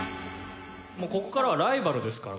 もうここからはライバルですから。